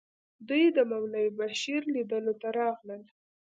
دوی د مولوي بشیر لیدلو ته راغلل.